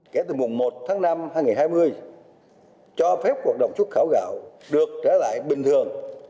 kể từ mùng một tháng năm hai nghìn hai mươi cho phép hoạt động xuất khẩu gạo được trở lại bình thường